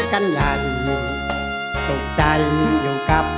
เปรียบเหมือนรบรอยช็อคบนกระดาษ